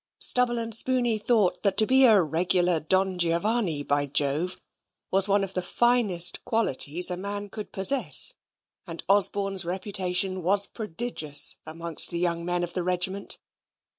Stubble and Spooney thought that to be a "regular Don Giovanni, by Jove" was one of the finest qualities a man could possess, and Osborne's reputation was prodigious amongst the young men of the regiment.